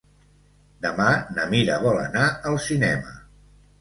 Demà na Mira vol anar al cinema.